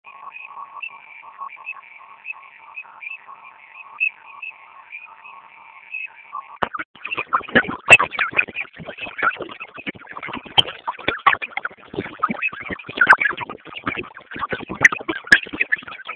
Jahákatu